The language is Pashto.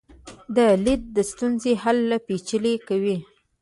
دا لید د ستونزې حل لا پیچلی کوي.